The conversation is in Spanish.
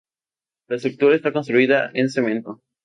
La estructura está construida en cemento.